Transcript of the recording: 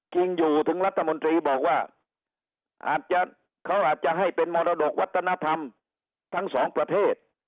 จริงอยู่ถึงรัฐมนตรีบอกว่าอาจจะเขาอาจจะให้เป็นมรดกวัฒนธรรมทั้งสองประเทศ